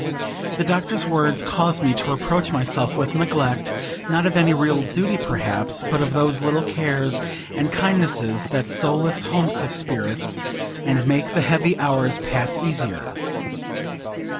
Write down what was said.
The Doctor's words caused me to reproach myself with neglect, not of any real duty perhaps, but of those little cares and kindnesses that solace homesick spirits, and make the heavy hours pass easier.